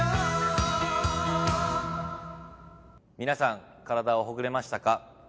皆さん、体はほぐれましたか？